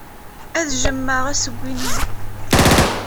Ad jjmeɣ assewwi-nnem.